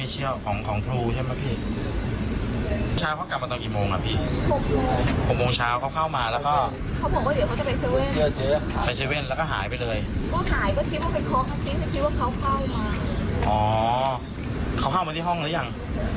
อ๋อเขาเข้ามาที่ห้องหรือยัง